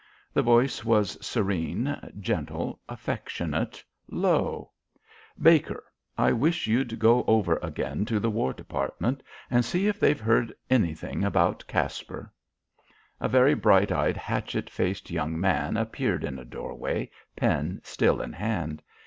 The voice was serene, gentle, affectionate, low. "Baker, I wish you'd go over again to the War Department and see if they've heard anything about Caspar." A very bright eyed, hatchet faced young man appeared in a doorway, pen still in hand.